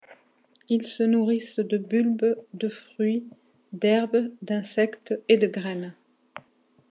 Ils se nourrissent de bulbes, de fruits, d'herbes, d'insectes et de graines.